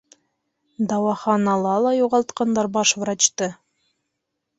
Дауаханала ла юғалтҡандар баш врачты.